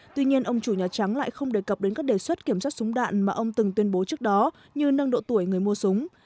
tuy nhiên ông chủ nhà trắng lại không đề cập đến các đề xuất kiểm soát súng đạn mà ông từng tuyên bố trước đó như nâng độ tuổi người mua súng